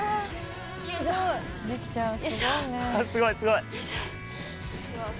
すごいすごい。